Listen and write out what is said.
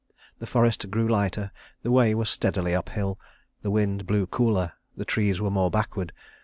The forest grew lighter, the way was steadily uphill, the wind blew cooler, the trees were more backward.